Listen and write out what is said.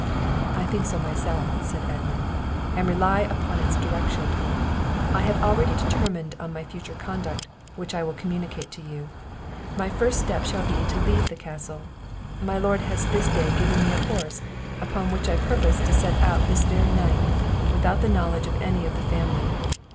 "I think so myself," said Edmund, "and rely upon its direction. I have already determined on my future conduct, which I will communicate to you. My first step shall be to leave the castle; my lord has this day given me a horse, upon which I purpose to set out this very night, without the knowledge of any of the family.